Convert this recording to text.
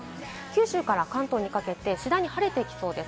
九州から関東にかけて次第に晴れてきそうです。